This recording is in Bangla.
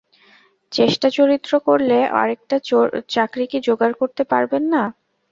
চেষ্টাচরিত্র করলে আরেকটা চাকরি কি জোগাড় করতে পারবেন না?